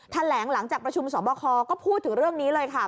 ท่านแหลงหลังจากประชุมสอบบ่อคอก็พูดถึงเรื่องนี้เลยค่ะ